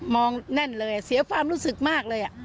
แน่นเลยเสียความรู้สึกมากเลย